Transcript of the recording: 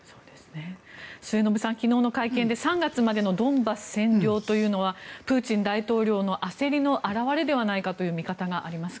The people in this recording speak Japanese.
末延さん、昨日の会見で３月までのドンバス占領というのはプーチン大統領の焦りの表れではないかという見方がありますが。